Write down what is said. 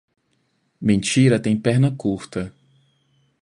Mentira tem perna curta.